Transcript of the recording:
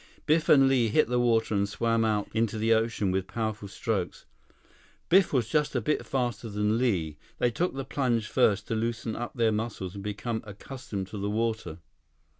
Biff and Li hit the water and swam out into the ocean with powerful strokes. Biff was just a bit faster than Li. They took the plunge first to loosen up their muscles and became accustomed to the water.